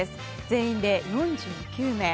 全員で、４９名。